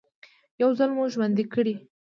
يو ځل مو ژوندي کړي.